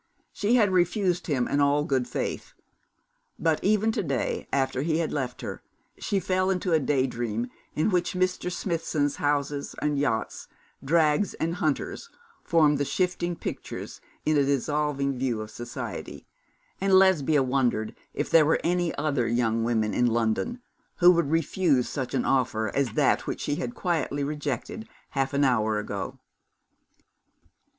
She had refused him in all good faith; but even to day, after he had left her, she fell into a day dream in which Mr. Smithson's houses and yachts, drags and hunters, formed the shifting pictures in a dissolving view of society; and Lesbia wondered if there were any other young woman in London who would refuse such an offer as that which she had quietly rejected half an hour ago.